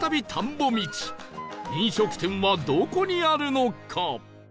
飲食店はどこにあるのか？